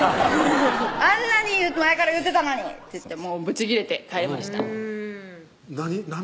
「あんなに前から言ってたのに！」って言ってブチ切れて帰りましたな